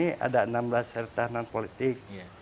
ini ada enam belas hertahanan politik